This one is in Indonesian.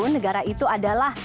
negara itu adalah